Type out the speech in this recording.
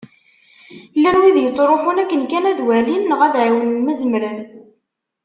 Llan wid yettruḥun akken kan ad walin, neɣ ad ɛiwnen ma zemren.